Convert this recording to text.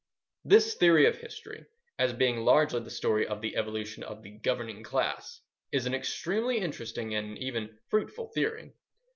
This theory of history, as being largely the story of the evolution of the "governing class," is an extremely interesting and even "fruitful" theory.